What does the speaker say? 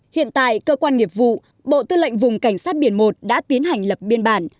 hiện tại cơ quan nghiệp vụ bộ tư lệnh vùng cảnh sát biển một đã tiến hành lập biên bản